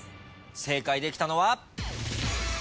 正解できたのは。